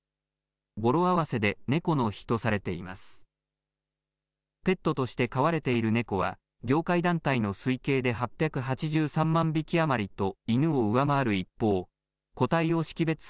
語呂合わせで猫の日とされています。